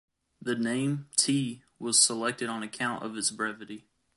The name "Tea" was selected on account of its brevity.